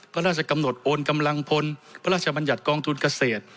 พระราชกำหนดโอนกำลังพลพระราชบัญญัติกองทุนเกษตร